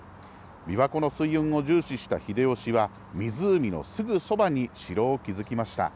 びわ湖のすいうんを重視した秀吉は、湖のすぐそばに城を築きました。